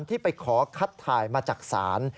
ที่ไปขอคัดถ่ายมาจากศาล